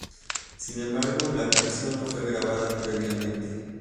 Sin embargo, la canción no fue grabada previamente.